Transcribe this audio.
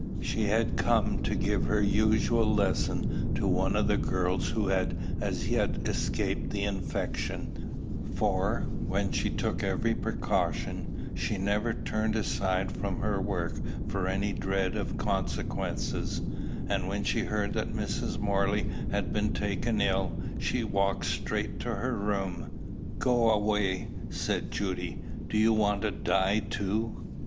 She had come to give her usual lesson to one of the girls who had as yet escaped the infection: for, while she took every precaution, she never turned aside from her work for any dread of consequences; and when she heard that Mrs. Morley had been taken ill, she walked straight to her room. "Go away!" said Judy. "Do you want to die too?"